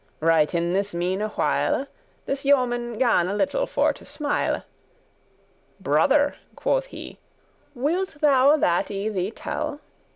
Right in this meane while This yeoman gan a little for to smile. "Brother," quoth he, "wilt thou that I thee tell?